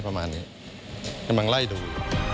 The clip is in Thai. กำลังไล่ดู